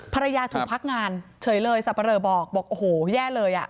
ภรรยาถูกพักงานเฉยเลยสับปะเลอบอกบอกโอ้โหแย่เลยอ่ะ